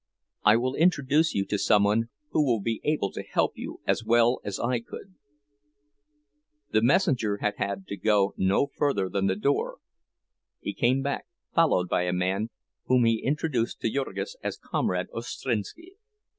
I will introduce you to some one who will be able to help you as well as I could—" The messenger had had to go no further than the door, he came back, followed by a man whom he introduced to Jurgis as "Comrade Ostrinski."